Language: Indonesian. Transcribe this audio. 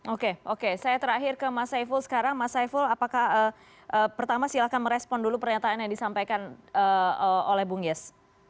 oke oke saya terakhir ke mas saiful sekarang mas saiful apakah pertama silakan merespon dulu pernyataan yang disampaikan oleh bung yes